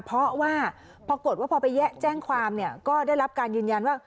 เพราะว่าปรากฏว่าพอไปแจ้งความเนี่ยก็ได้รับการยืนยันว่า